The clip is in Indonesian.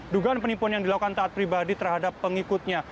dugaan penipuan yang dilakukan taat pribadi terhadap pengikutnya